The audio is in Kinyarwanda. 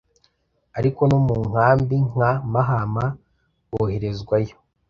ariko no mu nkambi nka Mahama boherezwayo